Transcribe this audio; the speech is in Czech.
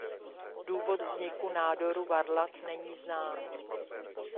Důvod vzniku nádoru varlat není znám.